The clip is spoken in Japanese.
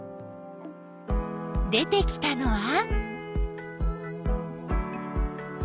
出てきたのは？